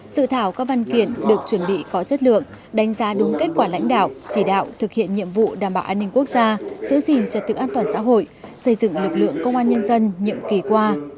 sự thảo các văn kiện được chuẩn bị có chất lượng đánh giá đúng kết quả lãnh đạo chỉ đạo thực hiện nhiệm vụ đảm bảo an ninh quốc gia giữ gìn trật tự an toàn xã hội xây dựng lực lượng công an nhân dân nhiệm kỳ qua